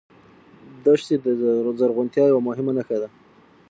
دښتې د زرغونتیا یوه مهمه نښه ده.